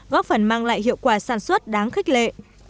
góp phần mang lại hiệu quả sản xuất đáng khích lệ